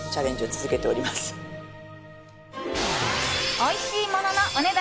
おいしいもののお値段